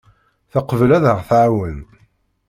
Teqbel ad aɣ-tɛawen.